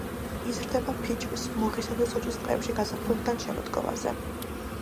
იზრდება ფიჭვის, მუხისა და სოჭის ტყეებში გაზაფხულიდან შემოდგომაზე.